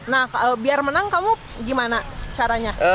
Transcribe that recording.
nah biar menang kamu gimana caranya